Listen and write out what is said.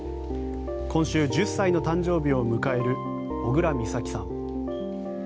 今週、１０歳の誕生日を迎える小倉美咲さん。